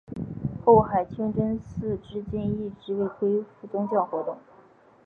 后海清真寺至今一直未恢复宗教活动。